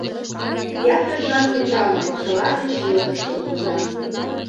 Ме ятыр жап кычална, чыла деч йодыштын улына.